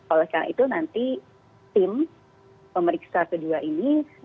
oleh karena itu nanti tim pemeriksa kedua ini